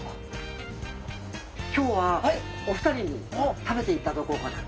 今日はお二人に食べていただこうかなと。